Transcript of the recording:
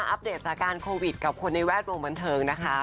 อัปเดตสถานการณ์โควิดกับคนในแวดวงบันเทิงนะคะ